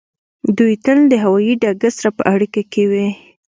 دوی تل د هوایی ډګر سره په اړیکه کې وي